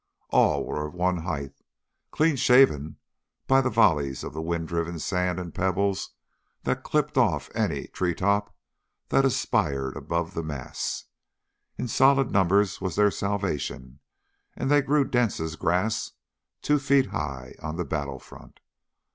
All were of one height, clean shaven by the volleys of the wind driven sand and pebbles that clipped off any treetop that aspired above the mass. In solid numbers was their salvation, and they grew dense as grass, two feet high on the battlefront.